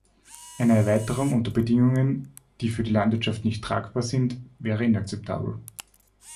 Eine Erweiterung unter Bedingungen, die für die Landwirtschaft nicht tragbar sind, wäre inakzeptabel.